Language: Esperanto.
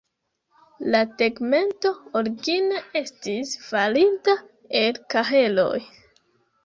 La tegmento origine estis farita el kaheloj.